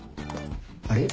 あれ？